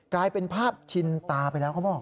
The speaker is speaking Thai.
กลายเป็นภาพชินตาไปแล้วเขาบอก